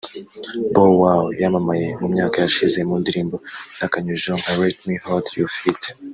Bow Wow yamamaye mu myaka yashize mu ndirimbo zakanyujijeho nka Let Me Hold You ft